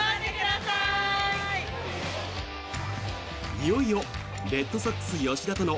いよいよレッドソックス、吉田との